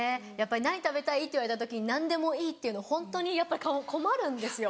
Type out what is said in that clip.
「何食べたい？」って言われた時に「何でもいい」って言うのホントにやっぱり困るんですよ。